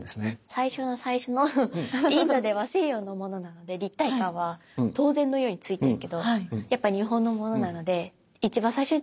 最初の最初のインドでは西洋のものなので立体感は当然のようについてるけどやっぱ日本のものなのでそうなんですね。